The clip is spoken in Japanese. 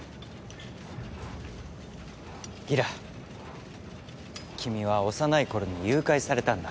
ギラ君は幼い頃に誘拐されたんだ。